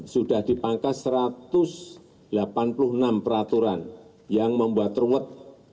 sudah dipangkas satu ratus delapan puluh enam peraturan yang membuat ruwet